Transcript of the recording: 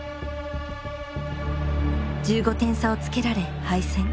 １５点差をつけられ敗戦。